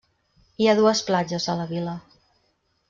Hi ha dues platges a la vila.